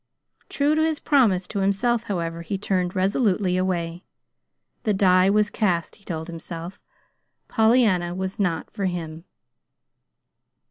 True to his promise to himself, however, he turned resolutely away. The die was cast, he told himself. Pollyanna was not to be for him.